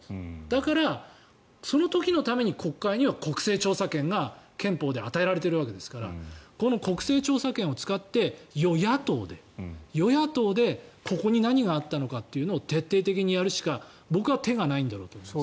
だから、その時のために国会には国政調査権が憲法で与えられているわけですからこの国政調査権を使って与野党でここに何があったのかというのを徹底的にやるしか僕は手がないんだろうと思います。